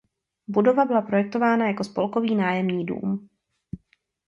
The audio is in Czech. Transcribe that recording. Budova byla projektována jako spolkový nájemní dům.